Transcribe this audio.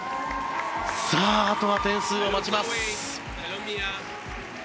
あとは点数を待ちます。